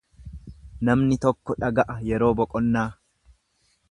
Namni tokko dhaga'a yeroo boqonnaa.